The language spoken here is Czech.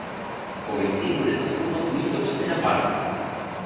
Komisi bude zastupovat místopředseda Barrot.